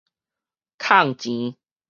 控錢